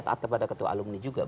taat kepada ketua alumni juga